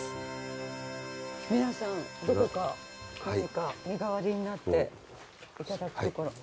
皆さんどこか何か身代わりになっていただく所。